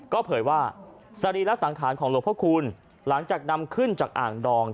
ก็เผยว่าสรีระสังขารของหลวงพระคุณหลังจากนำขึ้นจากอ่างดอง